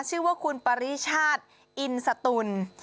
ชื่อว่าคุณปริชาติอินสตุล